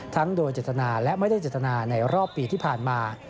ทั้งโดยจัดตนาและไม่ได้จัดตนาในรอบปีที่ผ่านมา